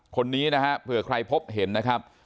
คนนี้นะฮะเผื่อใครพบเห็นนะครับ